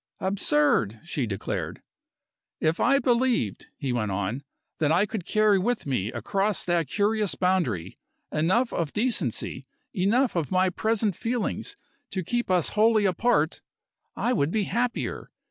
"Absurd!" she declared. "If I believed," he went on, "that I could carry with me across that curious boundary enough of decency, enough of my present feelings, to keep us wholly apart, I would be happier.